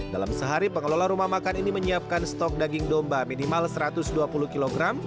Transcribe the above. dalam sehari pengelola rumah makan ini menyiapkan stok daging domba minimal satu ratus dua puluh kg